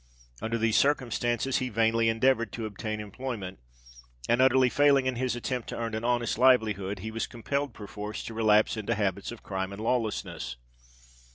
Under these circumstances, he vainly endeavoured to obtain employment; and, utterly failing in his attempt to earn an honest livelihood, he was compelled perforce to relapse into habits of crime and lawlessness.